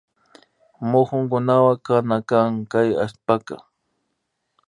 Mukunkunawan kana kan kay allpaka